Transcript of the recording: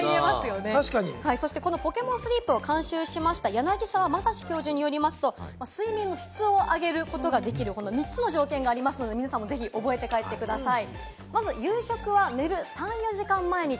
ポケモンスリープを監修しました柳沢正史教授によりますと、睡眠の質を上げることができる３つの条件がありますので、皆さんもぜひ覚えて帰ってください。